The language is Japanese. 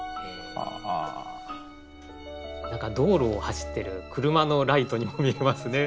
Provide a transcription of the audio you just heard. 何か道路を走ってる車のライトにも見えますね。